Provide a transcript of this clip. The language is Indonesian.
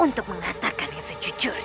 untuk mengatakan yang sejujurnya